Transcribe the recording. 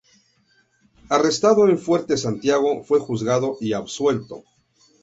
Arrestado en Fuerte Santiago, fue juzgado y absuelto.